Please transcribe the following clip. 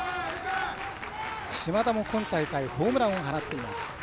島田も今大会ホームランを放っています。